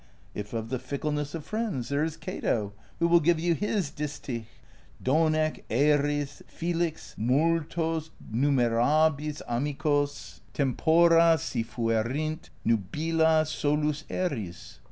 If of the fickle ness of friends, there is Cato, who will give you his distich : Donee eris felix nmltos numerabis amicos, Tempora si fuerint nubila, solus eris.